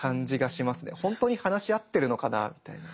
本当に話し合ってるのかなみたいな。